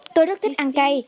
tôi rất thích ăn cây